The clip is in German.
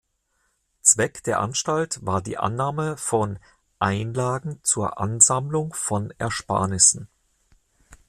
Zweck der Anstalt war die Annahme von "Einlagen zur Ansammlung von Ersparnissen".